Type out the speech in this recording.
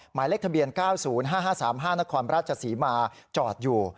หมายเลขทะเบียน๙๐๕๕๓๕นครราชศรีมาจอดอยู่